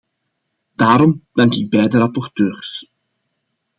Daarom dank ik beide rapporteurs.